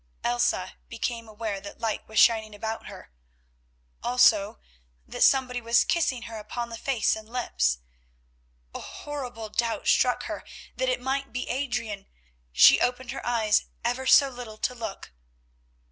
Elsa became aware that light was shining about her, also that somebody was kissing her upon the face and lips. A horrible doubt struck her that it might be Adrian, and she opened her eyes ever so little to look.